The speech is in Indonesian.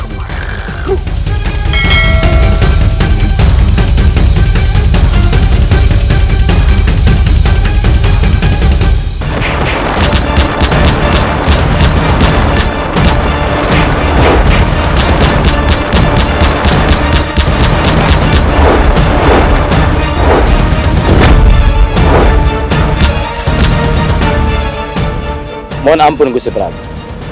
mohon ampun gusit rakyat